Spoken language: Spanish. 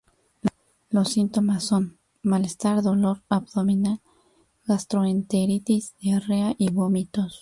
Los síntomas son: malestar, dolor abdominal, gastroenteritis, diarrea y vómitos.